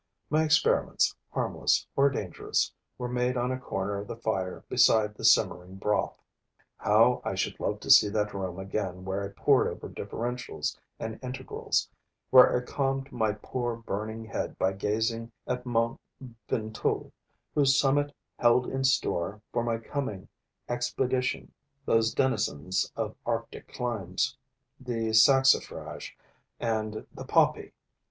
My experiments, harmless or dangerous, were made on a corner of the fire beside the simmering broth. How I should love to see that room again where I pored over differentials and integrals, where I calmed my poor burning head by gazing at Mont Ventoux, whose summit held in store for my coming expedition' those denizens of arctic climes, the saxifrage and the poppy!